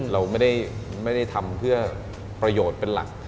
เราไม่ได้ทำเพื่อประโยชน์เป็นหลัก